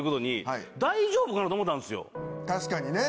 確かにね。